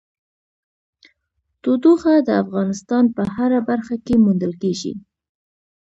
تودوخه د افغانستان په هره برخه کې موندل کېږي.